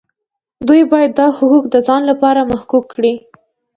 دوی باید دا حقوق د ځان لپاره محقق کړي.